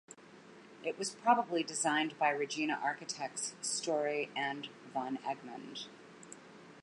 It was probably designed by Regina architects Storey and Van Egmond.